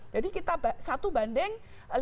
jadi kita satu banding lima enam